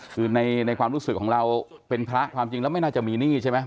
คือในความรู้สึกของเราเป็นพระความจริงแล้วไม่น่าจะมีหนี้ใช่ไหม